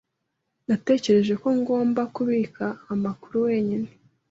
Natekereje ko ngomba kubika amakuru wenyine.